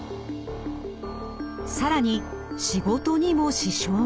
更に仕事にも支障が。